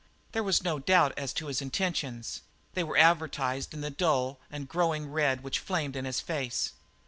There was no doubt as to his intentions; they were advertised in the dull and growing red which flamed in his face.